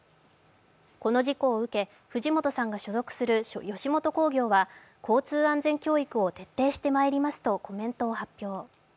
この事故を受け、藤本さんが所属する吉本興業は交通安全教育を徹底してまいりますとコメントを発表。